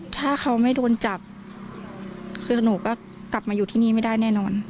ถ้าเขาไม่โดนจับคือหนูก็กลับมาอยู่ที่นี่ไม่ได้แน่นอน